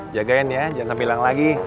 jagain ya jangan sampai hilang lagi